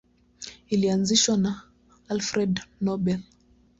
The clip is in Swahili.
Ilianzishwa na Alfred Nobel.